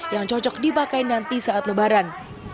yang cocok dipakai nanti saat lebaran